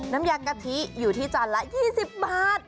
น้ำยากะทิอยู่ที่จานละ๒๐บาท